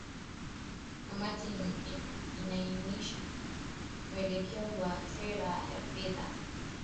kamati inaainisha mwelekeo wa sera ya fedha ndani ya miezi miwili inayofuata